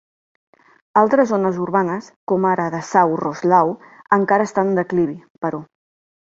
Altres zones urbanes, com ara Dessau-Roslau, encara estan en declivi, però.